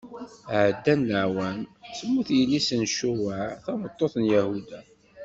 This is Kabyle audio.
Ɛeddan leɛwam, temmut yelli-s n Cuwaɛ, tameṭṭut n Yahuda.